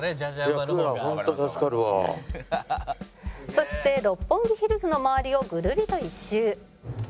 「そして六本木ヒルズの周りをぐるりと一周」